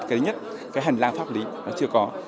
cái nhất cái hành lang pháp lý nó chưa có